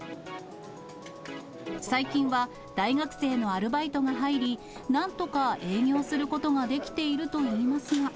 最近は大学生のアルバイトが入り、なんとか営業することができているといいますが。